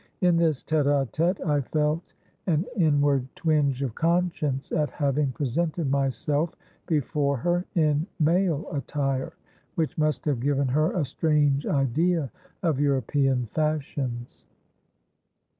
In this tête à tête I felt an inward twinge of conscience at having presented myself before her in male attire, which must have given her a strange idea of European fashions.